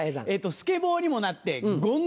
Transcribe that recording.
スケボーにもなってゴン